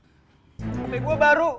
sampai gue baru